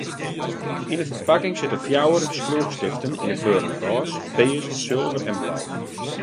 Yn in ferpakking sitte fjouwer skriuwstiften yn 'e kleuren rôs, pears, sulver en blau.